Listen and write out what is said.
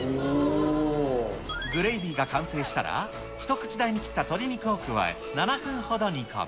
グレイビーが完成したら、一口大に切った鶏肉を加え、７分ほど煮込む。